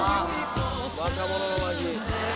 若者の街。